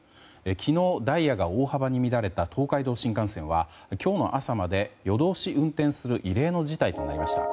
昨日、ダイヤが大幅に乱れた東海道新幹線は今日の朝まで夜通し運転する異例の事態となりました。